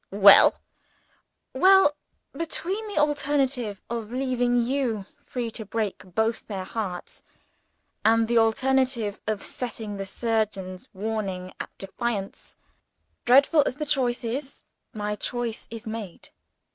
"Well?" "Well between the alternative of leaving you free to break both their hearts, and the alternative of setting the surgeon's warning at defiance dreadful as the choice is, my choice is made.